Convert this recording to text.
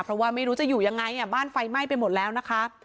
เพราะว่าไม่รู้จะอยู่ยังไงบ้านไฟไหม้ไปหมดแล้วนะคะ